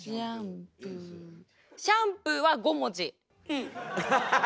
シャンプー。はいっ。